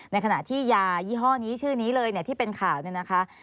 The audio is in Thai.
ในขณะที่ยายี่ห้อนี้ชื่อนี้เลยเนี่ยที่เป็นข่าวเนี่ยนะคะ